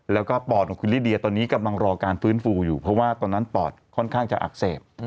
แล้วก็ปอดของคุณลิเดียตอนนี้กำลังรอการฟื้นฟูอยู่เพราะว่าตอนนั้นปอดค่อนข้างจะอักเสบ